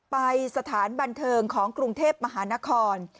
สถานบันเทิงของกรุงเทพมหานคร